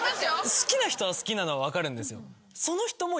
好きな人は好きなのは分かるんですよ。